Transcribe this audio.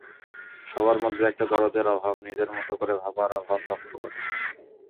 সবার মধ্যে একটা দরদের অভাব, নিজের মতো করে ভাবার অভাব লক্ষ করেছি।